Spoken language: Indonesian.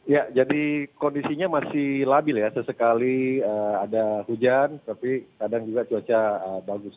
ya jadi kondisinya masih labil ya sesekali ada hujan tapi kadang juga cuaca bagus